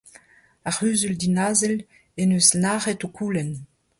Ar c'huzul dinazel en deus nac'het ho koulenn.